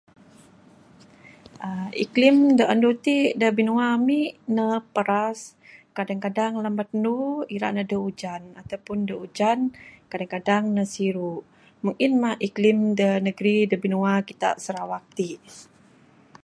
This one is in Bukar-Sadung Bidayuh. Aaa iklim da andu ti da binua ami ne peras, kadang kadang lambat ndu ira ne adeh ujan ataupun de ujan, kadang kadang ne siru. Meng en mah iklim da negri binua kita Sarawak ti.